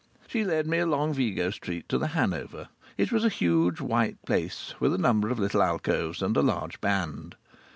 She led me along Vigo Street to the Hanover. It was a huge white place, with a number of little alcoves and a large band.